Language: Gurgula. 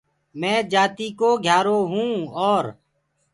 مينٚ جآتيٚڪو گهيٚآرو هونٚ اور